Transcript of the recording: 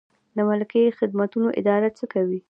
د ملکي خدمتونو اداره څه کوي؟